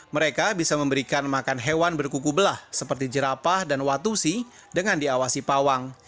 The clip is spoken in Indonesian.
mereka bisa memberikan makan hewan berkuku belah seperti jerapah dan watusi dengan diawasi pawang